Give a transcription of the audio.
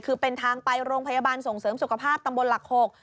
คือเป็นทางไปโรงพยาบาลส่งเสริมสุขภาพตำบลหลัก๖